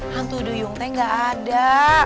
hantu duyung teh nggak ada